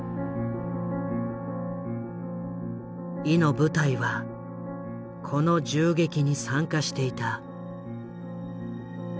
イの部隊はこの銃撃に参加していた。